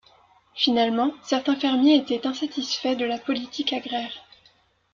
Finalement, certains fermiers étaient insatisfaits de la politique agraire.